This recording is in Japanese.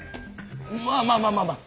まあまあまあまあまあ